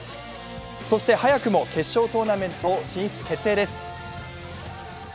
そして早くも決勝トーナメント進出決定です。